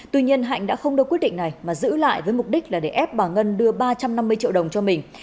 tuy nhiên hạnh đã không đưa quyết định này mà giữ lại với mục đích là để ép bà ngân đưa ba trăm năm mươi triệu đồng cho mình